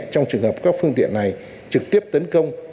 trong trường hợp các phương tiện này trực tiếp tấn công